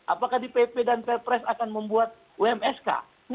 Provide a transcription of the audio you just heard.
apakah di pp dan ppres akan membuat wmsk